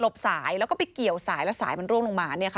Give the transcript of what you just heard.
เขาก็ไปเกี่ยวสายแล้วสายมันล่วงลงมาเนี่ยค่ะ